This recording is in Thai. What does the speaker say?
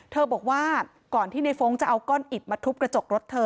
บอกว่าก่อนที่ในฟ้องจะเอาก้อนอิดมาทุบกระจกรถเธอ